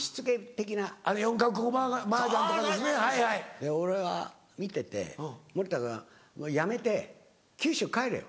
で俺は見てて「森田君もうやめて九州帰れよ」。